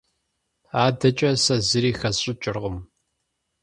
АдэкӀэ сэ зыри хэсщӀыкӀыркъым.